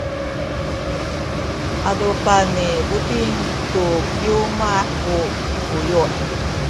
a adupan ni Buting tu kiwmah ku buyu’.